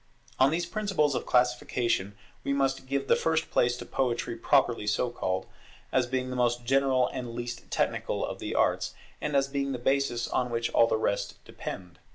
[Poetry] On these principles of classification we must give the first place to Poetry properly so called, as being the most general and least technical of the arts, and as being the basis on which all the rest depend.